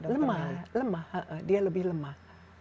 lemah lemah dia lebih lemah